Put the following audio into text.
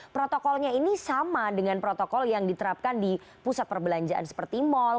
protokolnya ini sama dengan protokol yang diterapkan di pusat perbelanjaan seperti mal